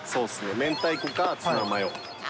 明太子かツナマヨ。